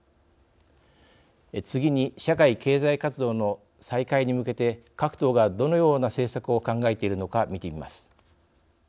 次に、社会経済活動の再開に向けて各党が、どのような政策を考えているのか、見てみます。